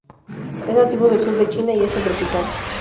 Es nativo del sur de China y Asia tropical.